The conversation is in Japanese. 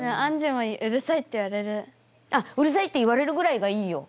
あっ「うるさい」って言われるぐらいがいいよ。